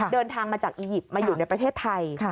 เดินทางมาจากอียิปต์มาอยู่ในประเทศไทย